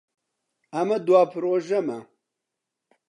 ئەمە دوا پرۆژەمە.